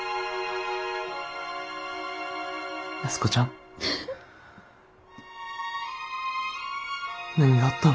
安子ちゃん。何があったん？